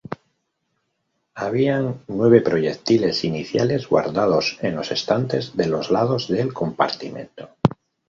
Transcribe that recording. Habían nueve proyectiles iniciales guardados en los estantes de los lados del compartimiento.